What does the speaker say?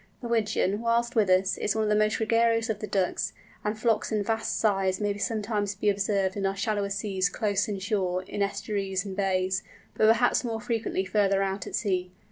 The Wigeon, whilst with us, is one of the most gregarious of the Ducks, and flocks of vast size may sometimes be observed in our shallower seas close inshore, in estuaries and bays, but perhaps more frequently further out at sea.